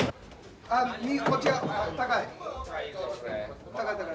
右こっちが高い。